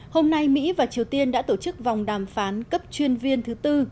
hôm nay mỹ và triều tiên đã tổ chức vòng đàm phán cấp chuyên viên thứ tư